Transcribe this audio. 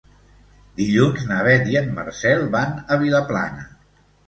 Dilluns na Beth i en Marcel van a Vilaplana.